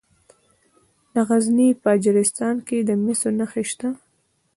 د غزني په اجرستان کې د مسو نښې شته.